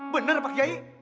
bener pak kiai